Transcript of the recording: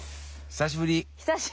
久しぶり。